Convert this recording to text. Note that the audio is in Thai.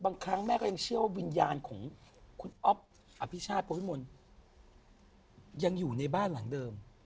บางครั้งแม่ก็ยังเชื่อว่าวิญญาณของคุณอ๊อฟอภิชาติโปวิมลยังอยู่ในบ้านหลังเดิม